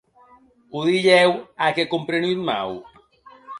O dilhèu ac è comprenut mau?